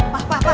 pak pak pak